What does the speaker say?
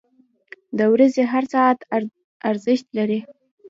• د ورځې هر ساعت ارزښت لري.